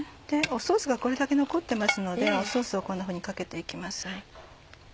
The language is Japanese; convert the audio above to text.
ソースがこれだけ残ってますのでソースをこんなふうにかけて行きます。